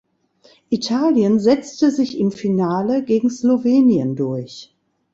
Italien setzte sich im Finale gegen Slowenien durch.